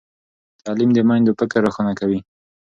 تعلیم د میندو فکر روښانه کوي۔